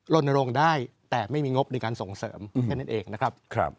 ลนโรงได้แต่ไม่มีงบในการส่งเสริมแค่นั้นเองนะครับ